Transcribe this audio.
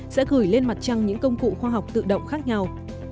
sẽ gửi lên mặt trăng những công cụ khoa học tự động khác nhau